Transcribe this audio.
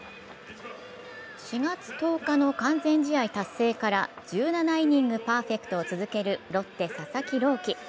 ４月１０日の完全試合達成から１７イニングパーフェクトを続けるロッテ・佐々木朗希。